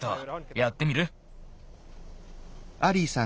やってみる？